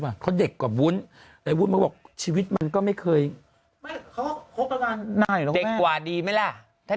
อยู่บ้างเพราะเด็กกว่าวุ้นไอ้วุธมันอบชีวิตมันก็ไม่เคยยากว่าดีไหมละถ้า